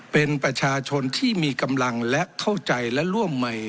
เป็นประชาชนที่มีกำลังและเข้าใจและร่วมใหม่